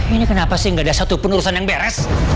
ini kenapa sih gak ada satupun urusan yang beres